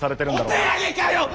お手上げかよッ！